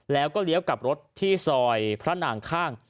แล้วก็เลี้ยวกลับรถที่ซอยพระนางข้าง